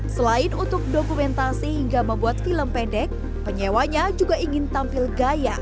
selain untuk dokumentasi hingga membuat film pendek penyewanya juga ingin tampil gaya